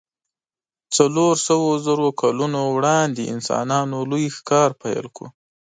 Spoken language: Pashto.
څلور سوو زرو کلونو وړاندې انسانانو لوی ښکار پیل کړ.